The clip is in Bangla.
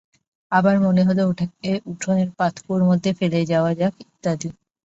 আবার মনে হল, ওটাকে উঠোনের পাতকুয়োর মধ্যে ফেলে দেয়া যাক ইত্যাদি।